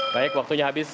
baik waktunya habis